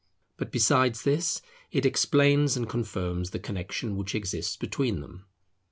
But besides this, it explains and confirms the connexion which exists between them.